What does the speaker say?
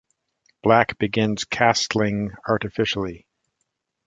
Black begins castling artificially.